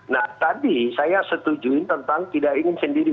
nah tadi saya setujuin tentang tidak ingin sendiri